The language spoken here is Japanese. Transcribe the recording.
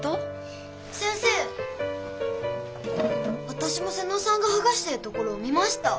わたしも妹尾さんがはがしてるところを見ました！